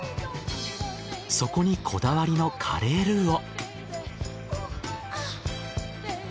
そこにこだわりのカレールーを。